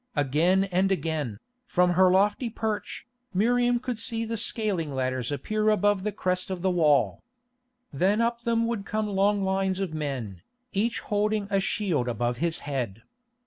Again and again, from her lofty perch, Miriam could see the scaling ladders appear above the crest of the wall. Then up them would come long lines of men, each holding a shield above his head.